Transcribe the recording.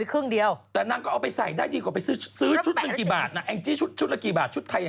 อีกเดียวแล้วว่ามีสิ่งไม่ดีก็ว่ามีสิ่งที่ไม่ใจ